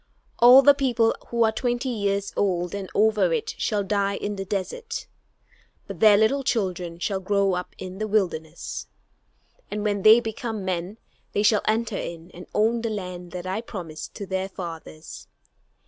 All the people who are twenty years old and over it shall die in the desert; but their little children shall grow up in the wilderness, and when they become men they shall enter in and own the land that I promised to their fathers.